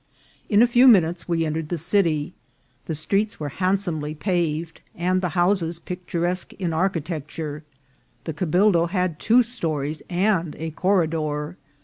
In a few minutes we entered the city. The streets were handsomely paved, and the houses picturesque in architecture ; the cabildo had two stories and a corri dor.